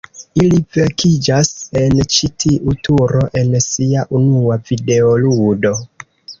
Ili vekiĝas en ĉi tiu turo en sia unua videoludo.